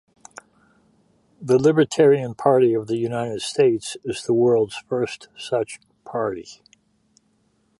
The Libertarian Party of the United States is the world's first such party.